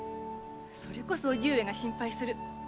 それこそ叔父上が心配する。